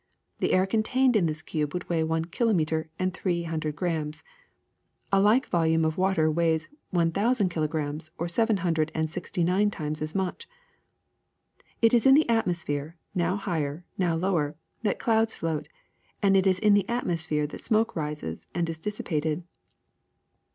The air contained in this cube would weigh one kilo meter and three hundred grams. A like volume of water weighs one thousand kilograms, or seven hun dred and sixty nine times as much. ^^It is in the atmosphere, now higher, now lower, that the clouds float ; and it is in the atmosphere that smoke rises and is dissipated.